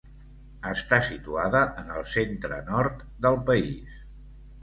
Està situada en el centre-nord del país.